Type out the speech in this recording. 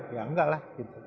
ya enggak lah